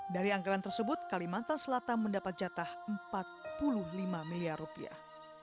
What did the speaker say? dari anggaran tersebut kalimantan selatan mendapat jatah empat puluh lima miliar rupiah